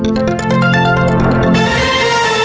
โปรดติดตามตอนต่อไป